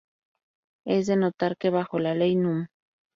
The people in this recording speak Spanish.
Es de notar, que bajo la Ley Núm.